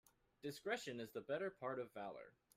Discretion is the better part of valour.